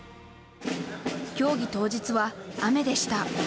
競技当日は雨でした。